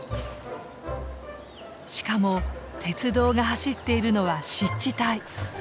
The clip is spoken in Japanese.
しかも鉄道が走っているのは湿地帯。